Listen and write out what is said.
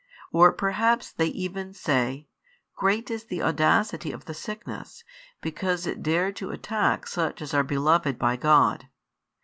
Or perhaps they even say: Great is the audacity of the sickness, because it dared to attack such as are beloved by God.